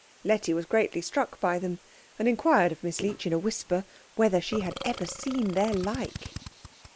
Letty was greatly struck by them, and inquired of Miss Leech in a whisper whether she had ever seen their like.